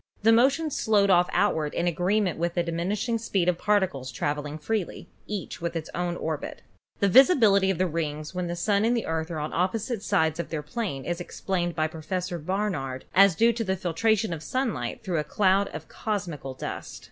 The motion slowed off outward in agreement with the diminishing speed of particles traveling freely, each in its own orbit. The visibility of the rings when the Sun and the Earth are on opposite sides of their plane is explained by Pro fessor Barnard as due to the filtration of sunlight through a cloud of cosmical dust.